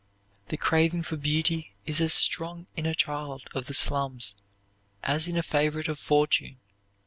The craving for beauty is as strong in a child of the slums as in a favorite of fortune.